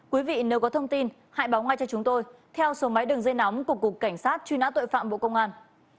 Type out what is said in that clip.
quý vị nếu có thông tin hãy báo ngay cho chúng tôi theo số máy đường dây nóng của cục cảnh sát truy nã tội phạm bộ công an